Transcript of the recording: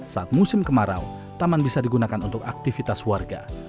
saat musim kemarau taman bisa digunakan untuk aktivitas warga